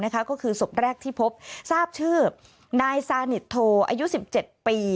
ก็คือศพแรกที่พบทราบชื่อนายซานิทโทอายุ๑๗ปี